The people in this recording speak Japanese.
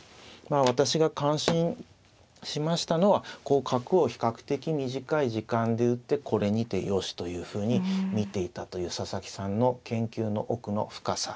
私が感心しましたのはこう角を比較的短い時間で打ってこれにてよしというふうに見ていたという佐々木さんの研究の奥の深さ。